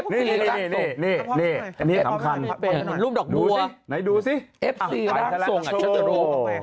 นี่นี่้ทำคำนี่ดูซิเอฟซีรักทวงชะตูโร